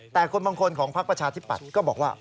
แต่คนบางคนของพักประชาธิปัตย์ก็บอกว่า